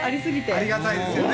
ありがたいですよね。